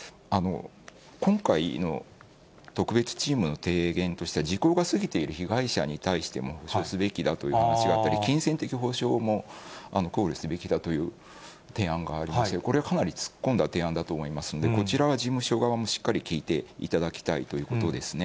今回の特別チームの提言としては、時効が過ぎている被害者に対しても補償すべきだいう話があったり、金銭的補償も考慮すべきだという提案がありまして、これはかなり突っ込んだ提案だと思いますので、こちらは事務所側もしっかり聞いていただきたいということですね。